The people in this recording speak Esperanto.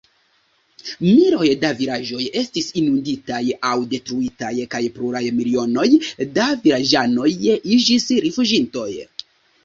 Miloj da vilaĝoj estis inunditaj aŭ detruitaj kaj pluraj milionoj da vilaĝanoj iĝis rifuĝintoj.